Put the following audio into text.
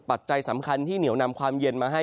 ปัจจัยสำคัญที่เหนียวนำความเย็นมาให้